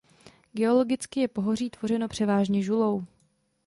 Geologicky je pohoří tvořeno převážně žulou.